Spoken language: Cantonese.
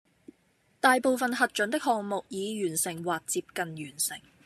大部分核准的項目已完成或接近完成